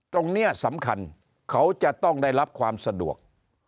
ตรงนี้สำคัญเขาจะต้องได้รับความสะดวก